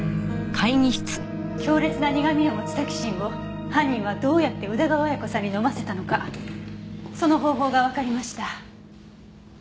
強烈な苦味を持つタキシンを犯人はどうやって宇田川綾子さんに飲ませたのかその方法がわかりました。